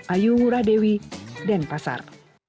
ayu murah dewi denpasar